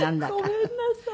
ごめんなさい。